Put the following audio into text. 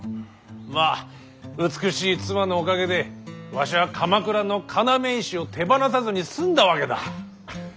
まあ美しい妻のおかげでわしは鎌倉の要石を手放さずに済んだわけだ。